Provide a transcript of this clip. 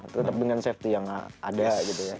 tetap dengan safety yang ada gitu ya